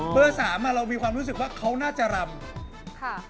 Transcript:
เบอร์๓อะเรามีความรู้สึกว่าเขาน่าจะลำ